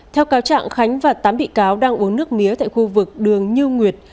theo cáo trạng khánh và tám bị cáo đang uống nước mía tại khu vực đường như nguyệt